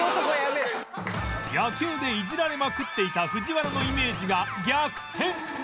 野球でいじられまくっていた藤原のイメージが逆転